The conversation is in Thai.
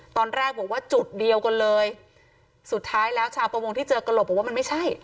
ตอนแรกบอกว่าจุดเดียวกันเลยสุดท้ายแล้วชาวประมงที่เจอกระหลบบอกว่ามันไม่ใช่